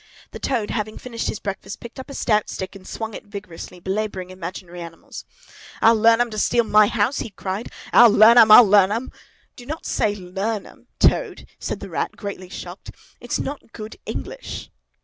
The Toad, having finished his breakfast, picked up a stout stick and swung it vigorously, belabouring imaginary animals. "I'll learn 'em to steal my house!" he cried. "I'll learn 'em, I'll learn 'em!" "Don't say 'learn 'em,' Toad," said the Rat, greatly shocked. "It's not good English."